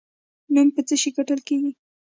نوم په څه شي ګټل کیږي؟